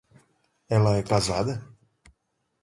Ela é casada?